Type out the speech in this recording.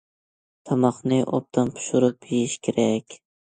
تاماقنى ئوبدان پىشۇرۇپ يېيىش كېرەك.